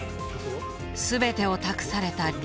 全てを託された李。